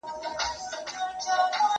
زه مخکي ميوې خوړلي وې!؟